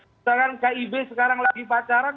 misalkan kib sekarang lagi pacaran